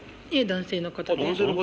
男性の方で。